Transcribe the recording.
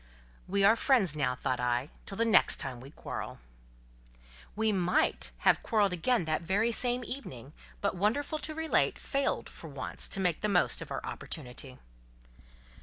"We are friends now," thought I, "till the next time we quarrel." We might have quarrelled again that very same evening, but, wonderful to relate, failed, for once, to make the most of our opportunity.